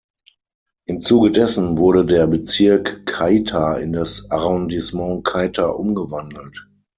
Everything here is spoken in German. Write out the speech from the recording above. Im Zuge dessen wurde der Bezirk Keita in das Arrondissement Keita umgewandelt.